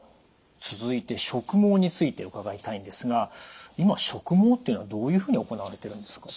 続いて植毛について伺いたいんですが今植毛っていうのはどういうふうに行われてるんですか？